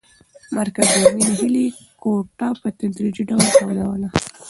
مرکز ګرمۍ د هیلې کوټه په تدریجي ډول تودوله.